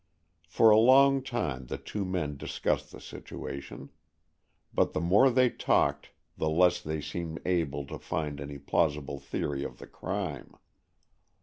For a long time the two men discussed the situation. But the more they talked the less they seemed able to form any plausible theory of the crime.